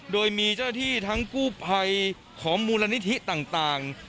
โดยมีเจ้าหน้าที่ทั้งกู้ภัยของมูลนิธิต่าง